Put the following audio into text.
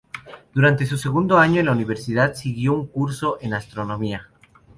Durante su segundo año en la universidad siguió un curso en astronomía.